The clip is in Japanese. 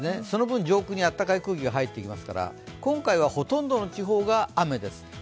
その分、上空に暖かい空気が入ってきますから今回はほとんどの地方が雨です。